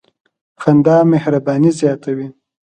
• خندا مهرباني زیاتوي.